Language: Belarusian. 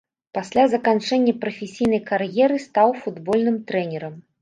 Пасля заканчэння прафесійнай кар'еры стаў футбольным трэнерам.